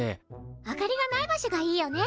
明かりがない場所がいいよね！